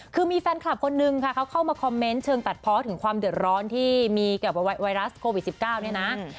คือมีแฟนคลับคนนึงค่ะเขาเข้ามาคอมเมนต์เชิงตัดเพาะถึงความเดือดร้อนที่มีกับไวรัสโควิด๑๙เนี่ยนะ